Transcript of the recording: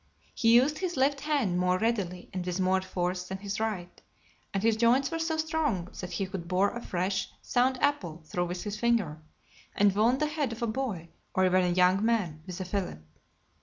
He used his left hand more readily and with more force than his right; and his joints were so strong, that he could bore a fresh, sound apple through with his finger, and wound the head of a boy, or even a young man, with a fillip.